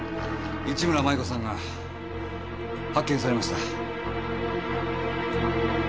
市村さんが発見されました。